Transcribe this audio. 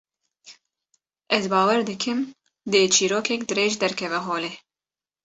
Ez bawer dikim, dê çîrokek dirêj derkeve holê